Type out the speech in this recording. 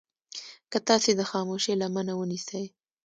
که تاسې د خاموشي لمنه ونيسئ.